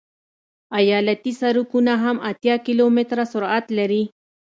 ایالتي سرکونه هم اتیا کیلومتره سرعت لري